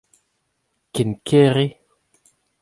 Ken ker eo.